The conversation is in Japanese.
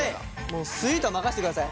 もうスイートは任せてください。